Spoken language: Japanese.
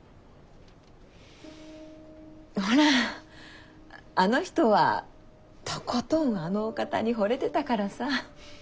ほらあの人はとことんあのお方にほれてたからさ。